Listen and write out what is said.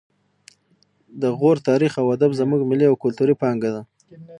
د غور تاریخ او ادب زموږ ملي او کلتوري پانګه ده